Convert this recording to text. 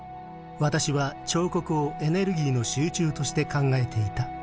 私は彫刻をエネルギーの集中として考えていた。